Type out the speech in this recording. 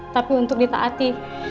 tapi untuk ditaati